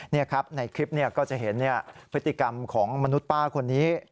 นี่ครับในคลิปก็จะเห็นพฤติกรรมของมนุษย์ป้าคนนี้